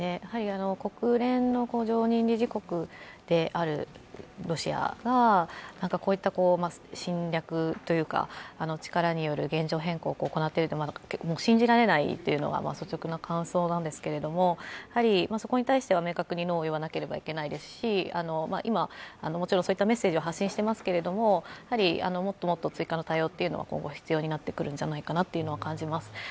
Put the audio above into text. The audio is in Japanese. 国連の常任理事国であるロシアが侵略というか、力による行為は信じられないというのが率直な感想なんですけれども、そこに対しては明確にノーを言わなくてはいけないですし今、もちろんそういったメッセージを発信していますけれども、もっともっと追加の対応というのが今後必要になってくるんじゃないかというのは感じます。